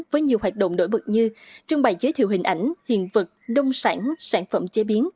với nhiều hoạt động nổi bật như trưng bày giới thiệu hình ảnh hiện vật đông sản sản phẩm chế biến